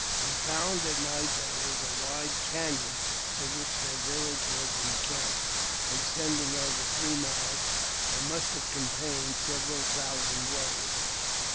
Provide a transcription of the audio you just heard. We found at night that it was a wide caiion, in which their village was encamped, extending over three miles, and must have contained several thousand warriors.